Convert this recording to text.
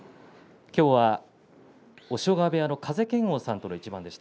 今日は押尾川部屋の風賢央さんとの一番でした。